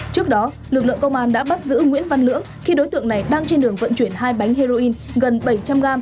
trước đó lực lượng công an đã bắt giữ nguyễn văn lưỡng khi đối tượng này đang trên đường vận chuyển hai bánh heroin gần bảy trăm linh g